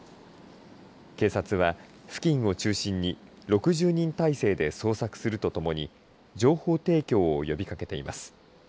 警察は付近を中心に６０人態勢で捜索するとともに情報提供を呼びかけています。